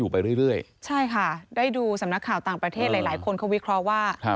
เพื่อใช้สกุปเบอร์เกียรติ